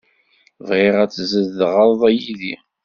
Bɣiɣ ad tzedɣeḍ yid-i